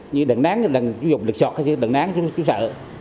như đàn nán thì chú dùng lực sọt hay đàn nán chú sợ